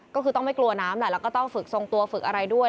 ก็คือต้องไม่กลัวน้ำแหละแล้วก็ต้องฝึกทรงตัวฝึกอะไรด้วย